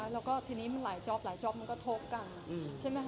แล้วก็ทีนี้มันหลายจอปมันก็ทกกัน